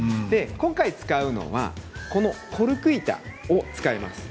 今回、使うのはこのコルク板を使います。